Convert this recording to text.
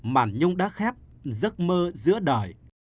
màn nhung đã khép giấc mơ giữa đời